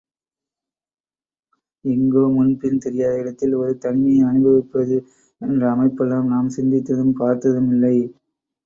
எங்கோ முன்பின் தெரியாத இடத்தில் ஒரு தனிமையை அனுபவிப்பது என்ற அமைப்பெல்லாம் நாம் சிந்தித்தும் பார்த்ததும் இல்லை.